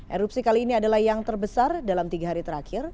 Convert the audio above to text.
erupsi kali ini adalah yang terbesar dalam tiga hari terakhir